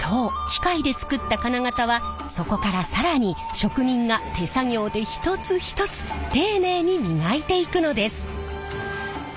機械で作った金型はそこから更に職人が手作業で一つ一つ丁寧に磨いていくのです。